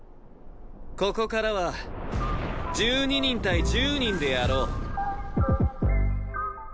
ここからは１２人対１０人でやろう。